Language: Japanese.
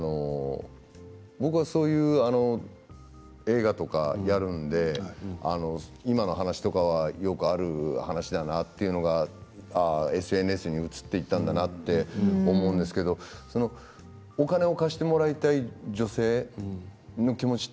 僕はそういう映画とかやるので今の話とかはよくある話であるなと思うんですけどＳＮＳへ移っていったんだなと思うんですけどお金を貸してもらいたい女性その気持ち